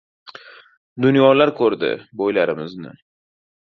Dunyolar ko‘rdi – bo‘ylarimizni